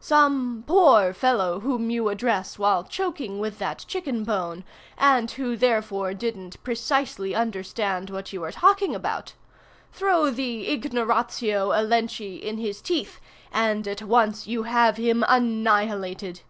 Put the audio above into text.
Some poor fellow whom you address while choking with that chicken bone, and who therefore didn't precisely understand what you were talking about. Throw the ignoratio elenchi in his teeth, and, at once, you have him annihilated.